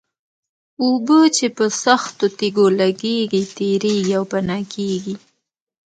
اوبه چې په سختو تېږو لګېږي تېرېږي او فنا کېږي.